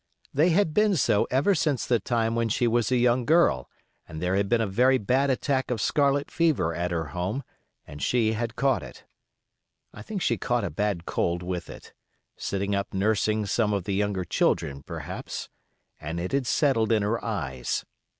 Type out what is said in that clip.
They had been so ever since the time when she was a young girl, and there had been a very bad attack of scarlet fever at her home, and she had caught it. I think she caught a bad cold with it—sitting up nursing some of the younger children, perhaps—and it had settled in her eyes.